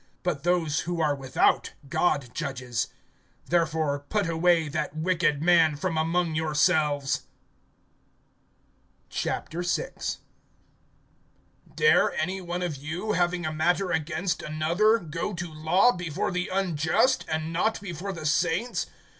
(13)But those who are without God judges. Therefore put away that wicked man from among yourselves. VI. DARE any one of you, having a matter against another, go to law before the unjust, and not before the saints?